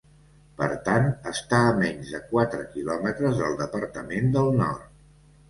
Per tant, està a menys de quatre quilòmetres del departament del Nord.